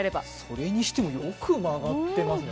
それにしても、よく曲がってますね。